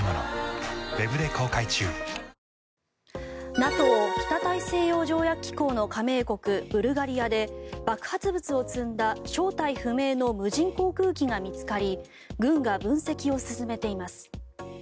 ＮＡＴＯ・北大西洋条約機構の加盟国、ブルガリアで爆発物を積んだ正体不明の無人航空機が見つかり軍が分析を進めています。